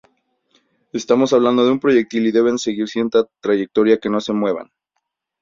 Estamos hablando de un proyectil y deben seguir cierta trayectoria que no se muevan.